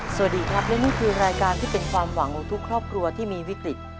สวัสดีครับและนี่คือรายการที่เป็นความหวังของทุกครอบครัวที่มีวิกฤต